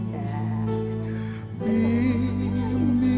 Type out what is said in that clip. ya allah yang kuanggu